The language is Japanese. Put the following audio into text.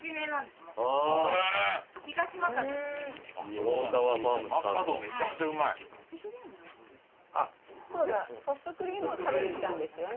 そうだソフトクリームを食べに来たんですよね。